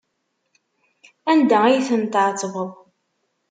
Anda ay ten-tɛettbeḍ?